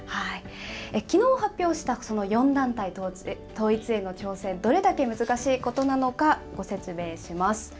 きのう発表したその４団体統一への挑戦、どれだけ難しいことなのか、ご説明します。